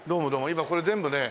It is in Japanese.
今これ全部ね